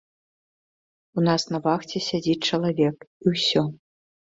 У нас на вахце сядзіць чалавек, і ўсё.